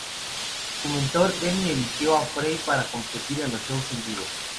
Su mentor Demi eligió a Frey para competir en los shows en vivo.